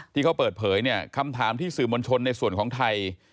ที่เขาเปิดเผยเนี่ยคำถามที่สื่อมวลชนในส่วนของไทย